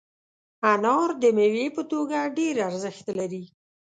انار د میوې په توګه ډېر ارزښت لري.